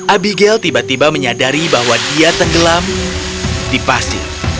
abigail tiba tiba menyadari bahwa dia tenggelam di pasir